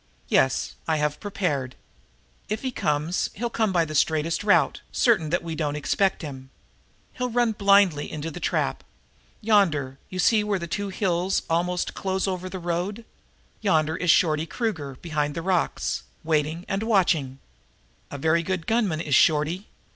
Yes, I have prepared. If he comes he'll come by the straightest route, certain that we don't expect him. He'll run blindly into the trap. Yonder you see where the two hills almost close over the road yonder is Shorty Kruger behind the rocks, waiting and watching. A very good gunman is Shorty.